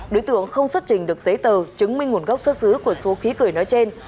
đối tượng không xuất trình được giấy tờ chứng minh nguồn gốc xuất xứ của số khí cười nói trên